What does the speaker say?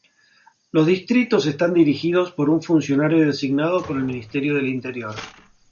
Los distritos están dirigidos por un funcionario designado por el Ministerio del Interior.